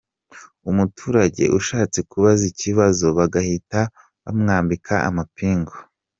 Umuturage ushatse kubaza ikibazo bagahita bamwambika amapingu.